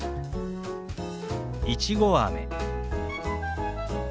「いちごあめ」。